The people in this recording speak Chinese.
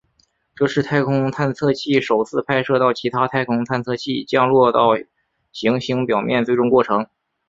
这是太空探测器首次拍摄到其他太空探测器降落到行星表面最终过程。